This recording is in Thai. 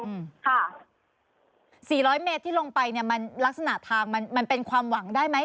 อืมค่ะสี่ร้อยเมตรที่ลงไปเนี้ยมันลักษณะทางมันมันเป็นความหวังได้ไหม